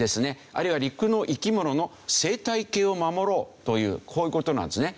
あるいは陸の生き物の生態系を守ろうというこういう事なんですね。